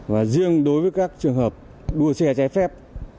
và riêng đối với các trường hợp đua xe trái phép